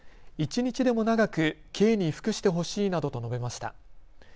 一日でも長く刑に服してほしいなどと述べました。